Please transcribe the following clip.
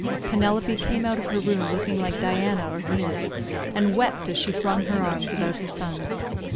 Penelope came out of her room looking like Diana or Venus, and wept as she flung her arms about her son.